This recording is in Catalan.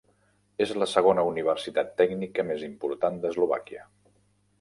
És la segona universitat tècnica més important d'Eslovàquia.